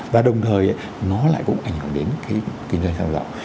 và đồng thời nó lại cũng ảnh hưởng đến cái kinh doanh xăng dầu